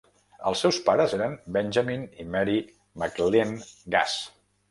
Els seus pares eren Benjamin i Mary McLene Gass.